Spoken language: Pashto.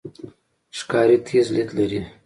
ښکاري تیز لید لري.